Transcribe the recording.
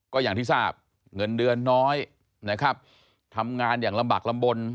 ก็อย่างที่ทราบเงินเดือนน้อยนะครับทำงานอย่างลำบากลำบล